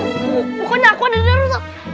pokoknya aku ada darurat